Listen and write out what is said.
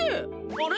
あれ？